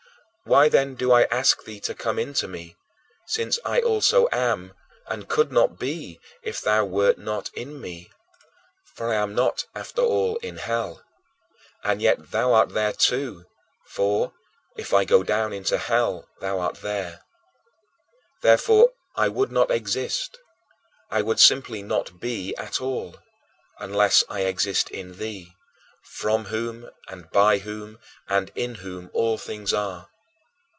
Why, then, do I ask thee to come into me, since I also am and could not be if thou wert not in me? For I am not, after all, in hell and yet thou art there too, for "if I go down into hell, thou art there." Therefore I would not exist I would simply not be at all unless I exist in thee, from whom and by whom and in whom all things are.